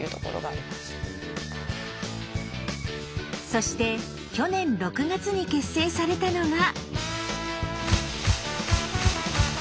そして去年６月に結成されたのが。